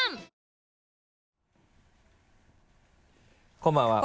こんばんは。